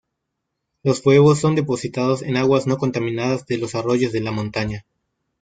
Los huevos son depositados en aguas no contaminadas de los arroyos de la montaña.